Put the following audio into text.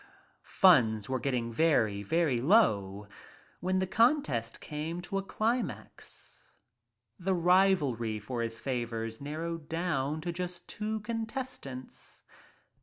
Funds were getting very, very low, when the contest came to a climax. The rivalrv for his faovrs nar rowed down to just two contestants.